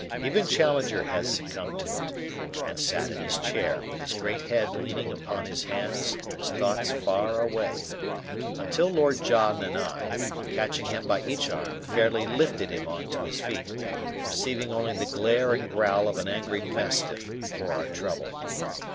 Even Challenger had succumbed to it, and sat in his chair, with his great head leaning upon his hands and his thoughts far away, until Lord John and I, catching him by each arm, fairly lifted him on to his feet, receiving only the glare and growl of an angry mastiff for our trouble.